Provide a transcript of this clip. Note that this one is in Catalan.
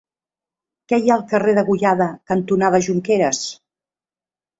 Què hi ha al carrer Degollada cantonada Jonqueres?